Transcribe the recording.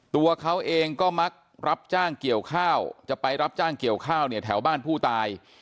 ตัวเขาเองก็มักรับจ้างเกี่ยวข้าวจะไปรับจ้างเกี่ยวข้าวเนี่ยแถวบ้านผู้ตาย